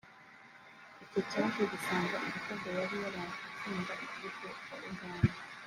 icyo cyaje gisanga igitego yari yabanje gutsinda ikipe ya Uganda